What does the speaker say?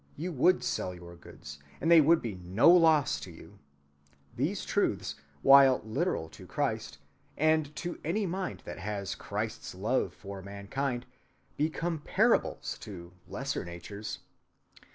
You would sell your goods, and they would be no loss to you. These truths, while literal to Christ, and to any mind that has Christ's love for mankind, become parables to lesser natures.